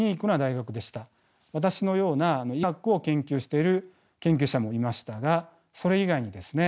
私のような医学を研究している研究者もいましたがそれ以外にですね